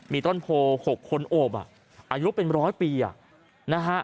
มีต้นโพ๖คนโอบอายุเป็นร้อยปีอ่ะนะฮะ